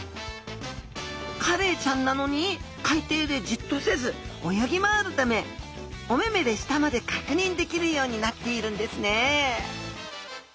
カレイちゃんなのに海底でじっとせず泳ぎ回るためお目々で下まで確認できるようになっているんですね